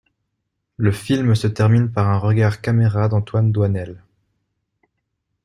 Le film se termine par un regard caméra d'Antoine Doinel.